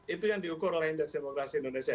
itu yang diukur oleh indeks demokrasi indonesia